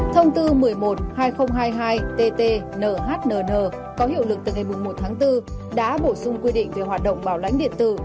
thông tư một mươi một hai nghìn hai mươi hai tt nhnn có hiệu lực từ ngày một tháng bốn đã bổ sung quy định về hoạt động bảo lãnh điện tử